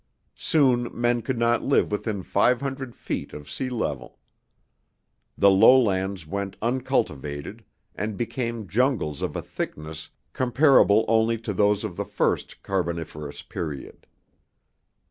Soon men could not live within five hundred feet of sea level. The low lands went uncultivated, and became jungles of a thickness comparable only to those of the first carboniferous period.